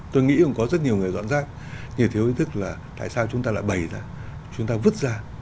tôi nghĩ cũng có rất nhiều người dọn rác như thiếu ý thức là tại sao chúng ta lại bày ra chúng ta vứt ra